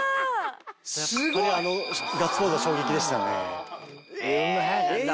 やっぱりあのガッツポーズは衝撃でしたね。